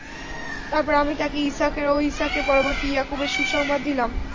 তারপর আমি তাকে ইসহাকের ও ইসহাকের পরবর্তী ইয়াকুবের সুসংবাদ দিলাম।